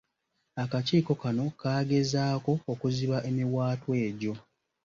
Akakiiko kano kaagezaako okuziba emiwaatwa egyo.